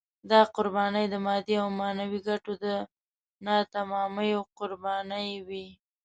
دا قربانۍ د مادي او معنوي ګټو د ناتمامیو قربانۍ وې.